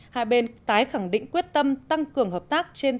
hai bên tái khẳng định quyết tâm tăng cường hợp tác trên